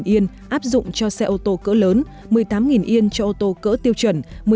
một mươi tám yen cho ô tô cỡ tiêu chuẩn